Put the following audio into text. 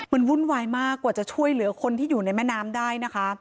มันวุ่นวายมากกว่าจะช่วยเหลือคนที่อยู่ในแม่น้ำได้นะคะ